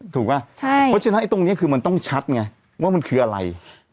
ถูกป่ะเพราะฉะนั้นตรงนี้คือมันต้องชัดไงว่ามันคืออะไร